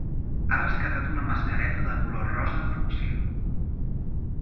He rescatat una mascareta de color rosa fúcsia